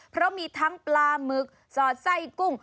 เพราะมีทั้งปลาหมึกสอดไส้กุ้ง